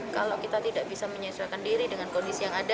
kalau kita tidak bisa menyesuaikan diri dengan kondisi yang ada